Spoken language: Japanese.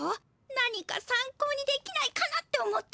何かさんこうにできないかなって思って。